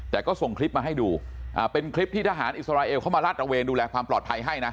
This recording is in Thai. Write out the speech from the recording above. แต่ก็ส่งคลิปมาให้ดูเป็นคลิปที่ทหารอิสราเอลเข้ามาลาดระเวนดูแลความปลอดภัยให้นะ